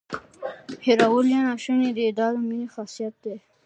هیرول یې ناشونې دي دا د مینې خاصیت دی.